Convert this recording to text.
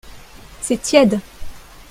C'est tiède.